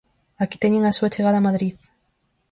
Aquí teñen a súa chegada a Madrid.